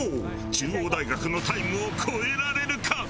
中央大学のタイムを超えられるか？